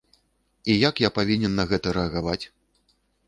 І як я павінен на гэта рэагаваць?